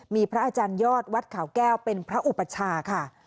มีพระอาจารยอดวัดขาวแก้วเป็นพระอุปชาค่ะ